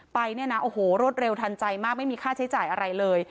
ไปเนี่ยนะโอ้โหรวดเร็วทันใจมากไม่มีค่าใช้จ่ายอะไรเลย